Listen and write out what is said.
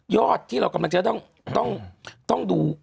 ที่เรากำลังจะต้องดู